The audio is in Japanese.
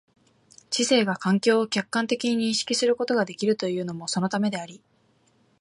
知性が環境を客観的に認識することができるというのもそのためであり、